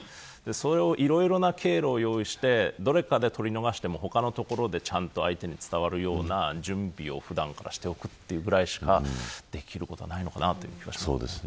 それを、いろいろな経路を用意してどれかを取り逃しても他のところでちゃんと相手に伝わるような準備を普段からしておくぐらいしかできることはないのかなと思います。